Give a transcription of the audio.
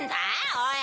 おい。